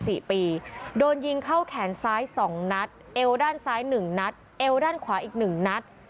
สี่ปีโดนยิงเข้าแขนซ้ายสองนัดเอวด้านซ้ายหนึ่งนัดเอวด้านขวาอีกหนึ่งนัด